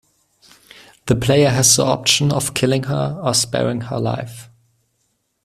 The player has the option of killing her or sparing her life.